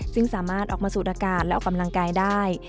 ซึ่งสามารถออกมาสูดอากาศและออกกำลังกายได้